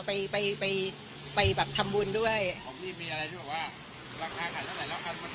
ไปไปแบบทำบุญด้วยของพี่มีอะไรที่บอกว่าราคาขายเท่าไหรแล้วพันมัน